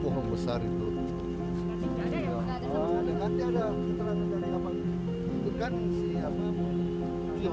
jadi itu tidak benar pak ya